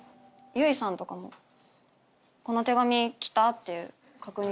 結衣さんとかもこの手紙来たっていう確認。